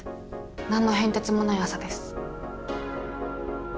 何の変哲もない朝です。